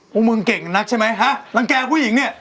พวกมึงเก่งนักใช่ไหมฮะรังแก่ผู้หญิงเนี่ย